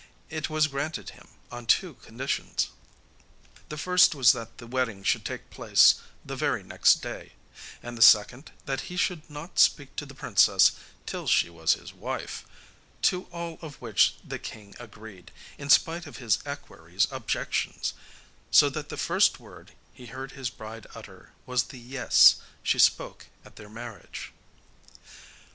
It was granted him on two conditions. The first was that the wedding should take place the very next day; and the second, that he should not speak to the princess till she was his wife; to all of which the king agreed, in spite of his equerry's objections, so that the first word he heard his bride utter was the 'Yes' she spoke at their marriage.